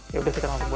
yaudah kita nanti buat